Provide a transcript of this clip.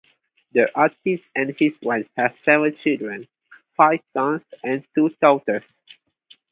The artist and his wife had seven children; five sons and two daughters.